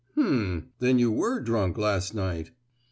"Hem! Then you were drunk last night?"